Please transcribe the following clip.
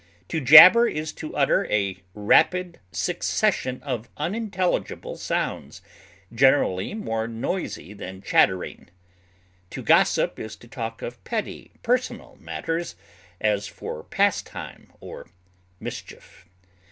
To jabber is to utter a rapid succession of unintelligible sounds, generally more noisy than chattering. To gossip is to talk of petty personal matters, as for pastime or mischief.